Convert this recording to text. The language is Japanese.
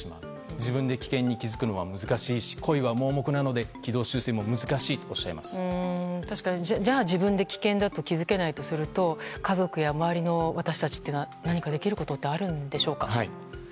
自分で危険に気付くのは難しいし恋は盲目なので軌道修正は自分で危険だと気づけないとすると家族や周りの私たちっていうのは何かできることはあるんでしょうか。